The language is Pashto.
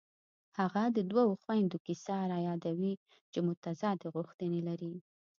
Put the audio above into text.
هغه د دوو خویندو کیسه رایادوي چې متضادې غوښتنې لري